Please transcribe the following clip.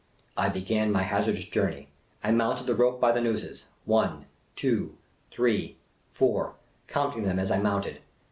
I began my hazardous journey ; I mounted the rope by the nooses — one, two, three, four, counting them as I mounted.